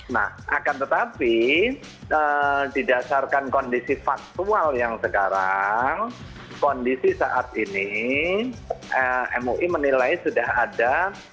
nah akan tetapi didasarkan kondisi faktual yang sekarang kondisi saat ini mui menilai sudah ada